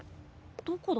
どこだ？